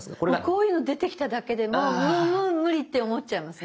こういうの出てきただけでもうもうもう無理って思っちゃいますね。